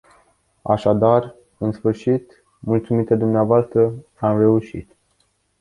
Așadar, în sfârșit, mulțumită dvs., am reușit.